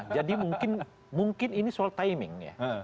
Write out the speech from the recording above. jadi mungkin ini soal timing ya